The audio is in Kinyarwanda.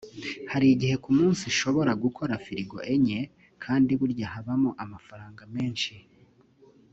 Hari igihe ku munsi nshobora gukora firigo enye kandi burya habamo amafaranga menshi